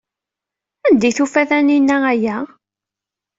Anda ay d-tufa Taninna aya?